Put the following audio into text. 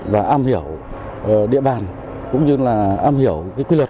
và am hiểu địa bàn cũng như là am hiểu quy luật